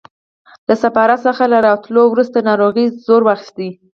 له سفارت څخه له راوتلو وروسته ناروغۍ زور واخیست.